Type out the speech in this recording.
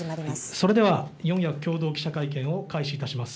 それでは四役共同記者会見を開始いたします。